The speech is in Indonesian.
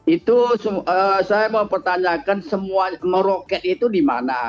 itu saya mau pertanyakan semua meroket itu di mana